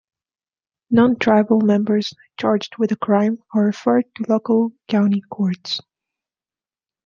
Non tribal members charged with a crime are referred to local county courts.